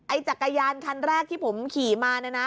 จักรยานคันแรกที่ผมขี่มาเนี่ยนะ